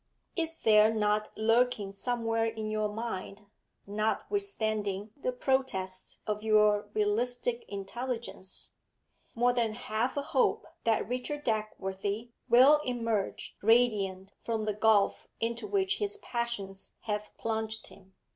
Is there not lurking somewhere in your mind, not withstanding the protests of your realistic intelligence, more than half a hope that Richard Dagworthy will emerge radiant from the gulf into which his passions have plunged him?